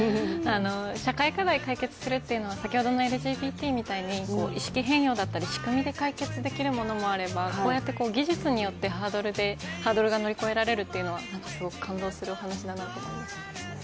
社会課題を解決するというのは先ほどのＬＧＢＴみたいに意識変容だったり、仕組みで解決できるものもあればこうやって技術によってハードルが乗り越えられるというのはすごく感動する話だなと思いました。